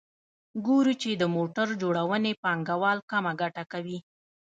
ګورو چې د موټر جوړونې پانګوال کمه ګټه کوي